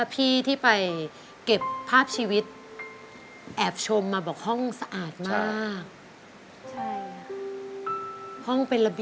คุยกับตุ๊กตาบ้างค่ะ